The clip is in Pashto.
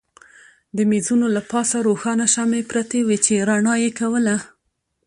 د مېزونو له پاسه روښانه شمعې پرتې وې چې رڼا یې کوله.